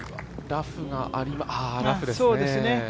ラフがラフですね。